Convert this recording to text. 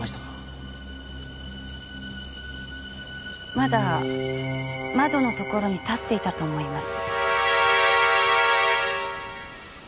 まだ窓のところに立っていたと思います。